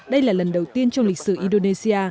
đây là lần đầu tiên trong lịch sử indonesia